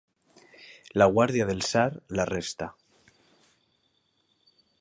La guàrdia del tsar l'arresta.